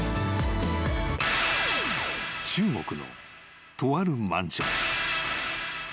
［中国のとあるマンション］